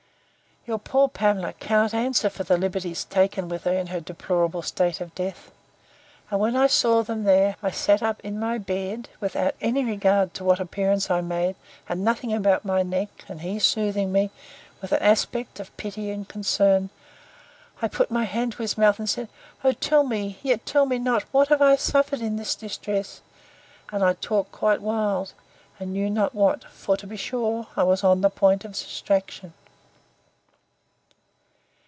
Your poor Pamela cannot answer for the liberties taken with her in her deplorable state of death. And when I saw them there, I sat up in my bed, without any regard to what appearance I made, and nothing about my neck; and he soothing me, with an aspect of pity and concern, I put my hand to his mouth, and said, O tell me, yet tell me not, what have I suffered in this distress? And I talked quite wild, and knew not what: for, to be sure, I was on the point of distraction.